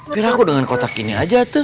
pilih aku dengan kotak ini aja tuh